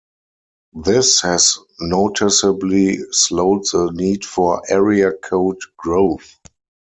This has noticeably slowed the need for area code growth.